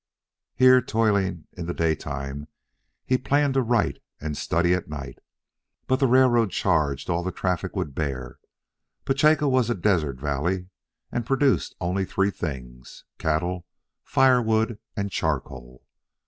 Here, toiling in the day time, he planned to write and study at night. But the railroad charged all the traffic would bear. Petacha was a desert valley, and produced only three things: cattle, fire wood, and charcoal.